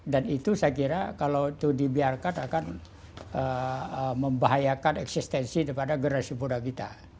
dan itu saya kira kalau itu dibiarkan akan membahayakan eksistensi daripada generasi muda kita